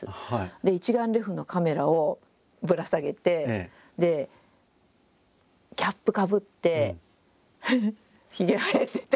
一眼レフのカメラをぶら下げてでキャップかぶってひげ生えてて。